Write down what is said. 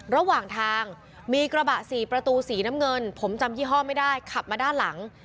ระหว่างทางมีกระบะสี่ประตูสีน้ำเงินผมจำยี่ห้อไม่ได้ขับมาด้านหลัง